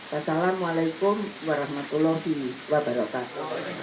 wassalamualaikum warahmatullahi wabarakatuh